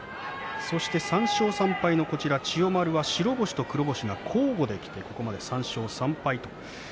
３勝３敗の千代丸は白星と黒星が交互にきて３勝３敗。